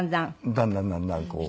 だんだんだんだんこう。